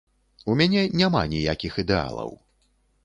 У мяне няма ніякіх ідэалаў.